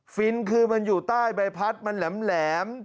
ฟินคือมันอยู่ใต้ใบพัดมันแหลม